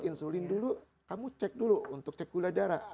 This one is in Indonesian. insulin dulu kamu cek dulu untuk cek gula darah